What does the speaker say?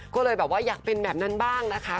ก็เลยแบบว่าอยากเป็นแบบนั้นบ้างนะคะ